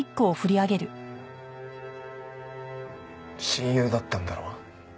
親友だったんだろ？